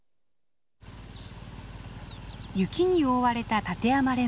雪に覆われた立山連峰。